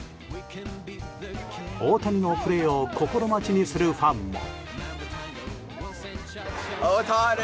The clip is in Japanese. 大谷のプレーを心待ちにするファンも。